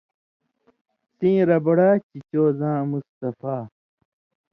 سئیں ربڑا چھے چو زاں مصطفٰے